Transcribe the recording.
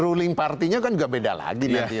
ruling partinya kan juga beda lagi nanti